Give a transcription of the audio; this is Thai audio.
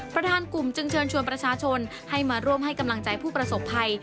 ประธานกลุ่มจึงเชิญชวนประชาชนให้มาร่วมให้กำลังใจผู้ประสบภัย